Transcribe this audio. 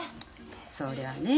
そりゃあねえ